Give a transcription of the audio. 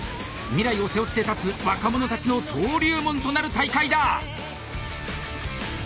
未来を背負って立つ若者たちの登竜門となる大会だ！